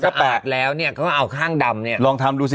ถ้าแปดแล้วเนี่ยเขาก็เอาข้างดำเนี่ยลองทำดูสิ